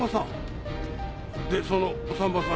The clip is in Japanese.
でそのお産婆さん